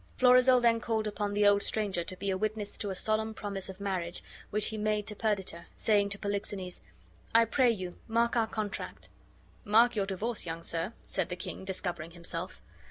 Florizel then called upon the old stranger to be a witness to a solemn promise of marriage which be made to Perdita, saying to Polixenes, "I pray you, mark our contract." "Mark your divorce, young sir," said the king, discovering himself.